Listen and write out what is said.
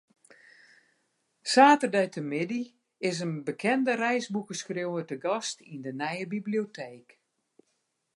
Saterdeitemiddei is in bekende reisboekeskriuwer te gast yn de nije biblioteek.